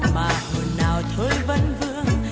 mà hồn nào thôi vẫn vương